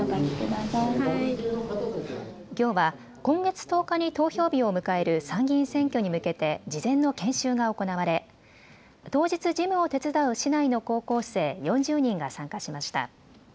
きょうは今月１０日に投票日を迎える参議院選挙に向けて事前の研修が行われ当日、事務を手伝う市内の高校生４０人が参加しました。